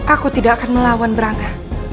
aku tidak akan melawan brangga